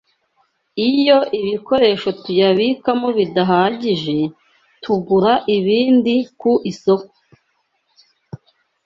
Iyo ibikoresho tuyabikamo bidahagije, tugura ibindi ku isoko